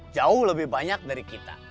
jauh lebih banyak dari kita